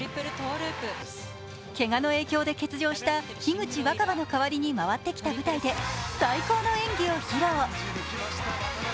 けがの影響で欠場した樋口新葉の代わりに回ってきた舞台で最高の演技を披露。